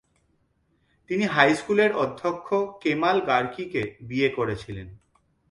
তিনি হাইস্কুলের অধ্যক্ষ কেমাল গার্কিকে বিয়ে করেছিলেন।